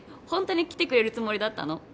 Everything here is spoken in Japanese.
ホントに来てくれるつもりだったの？